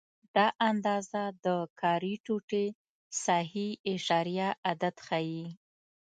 دا اندازه د کاري ټوټې صحیح اعشاریه عدد ښيي.